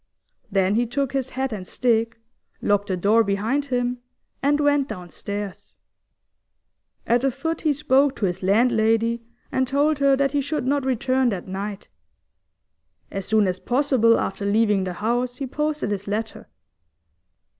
Then he took his hat and stick, locked the door behind him, and went downstairs. At the foot he spoke to his landlady, and told her that he should not return that night. As soon as possible after leaving the house he posted his letter.